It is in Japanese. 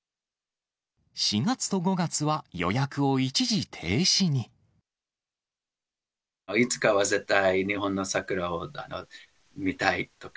４月と５月は予約を一時停止いつかは絶対、日本の桜を見たいとか。